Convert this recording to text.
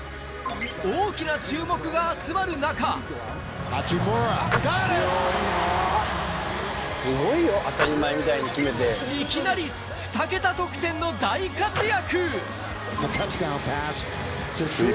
大きな注目が集まる中いきなり２桁得点の大活躍！